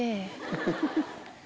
フフフフ！